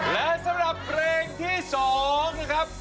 และสำหรับเพลงที่๒นะครับ